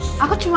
ini gak kesehatan